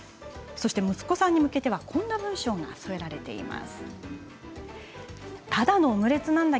息子さんに向けてはこんな文章が添えられています。